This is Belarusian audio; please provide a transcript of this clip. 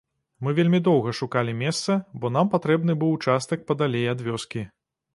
Мы вельмі доўга шукалі месца, бо нам патрэбны быў участак падалей ад вёскі.